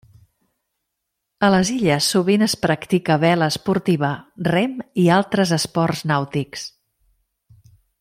A les illes sovint es practica vela esportiva, rem i altres esports nàutics.